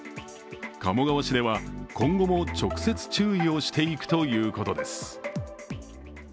鴨川市では今後も直接注意をしていくということです。